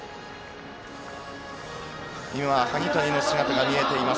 萩谷の姿が見えます。